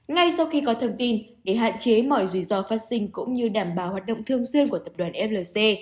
ngay sau khi có thông tin để hạn chế mọi rủi ro phát sinh cũng như đảm bảo hoạt động thường xuyên của tập đoàn flc